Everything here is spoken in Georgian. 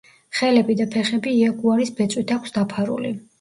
ხელები და ფეხები იაგუარის ბეწვით აქვს დაფარული.